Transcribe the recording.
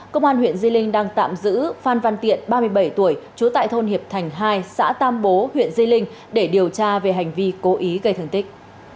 công an huyện di linh đang tạm giữ phan văn tiện ba mươi bảy tuổi trú tại thôn hiệp thành hai xã tam bố huyện di linh để điều tra về hành vi cố ý gây thương tích